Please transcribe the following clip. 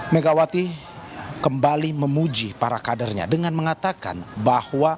megawati kembali memuji para kadernya dengan mengatakan bahwa